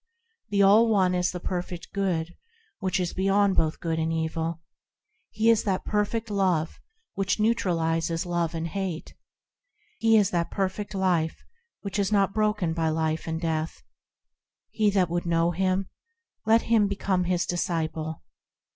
The All One is that Perfect Good which is beyond both good and evil; He is that Perfect Love which neutralises love and hate; He is that Perfect Life which is not broken by life and death. He that would know Him, let him become His disciple.